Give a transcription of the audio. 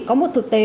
có một thực tế